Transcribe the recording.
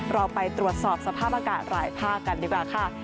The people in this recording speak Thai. เราไปตรวจสอบสภาพอากาศหลายภาคกันดีกว่าค่ะ